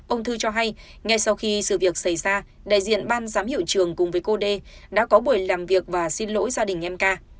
ông thư cho hay ngay sau khi sự việc xảy ra đại diện ban giám hiệu trường cùng với cô đê đã có buổi làm việc và xin lỗi gia đình em ca